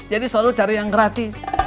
jadi selalu cari yang gratis